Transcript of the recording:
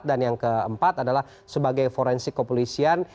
dan yang keempat adalah sebagai forensik kepolisian